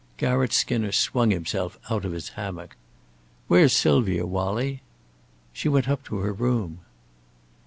Garratt Skinner swung himself out of his hammock. "Where's Sylvia, Wallie?" "She went up to her room."